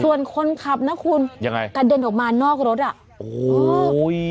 ส่วนคนขับนะคุณยังไงกระเด็นออกมานอกรถอ่ะโอ้โห